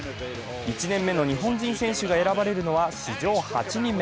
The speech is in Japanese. １年目の日本人選手が選ばれるのは史上８人目。